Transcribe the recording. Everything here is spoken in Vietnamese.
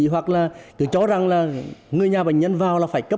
hoặc là cứ cho rằng là người nhà bệnh nhân vào là phải cấp pháp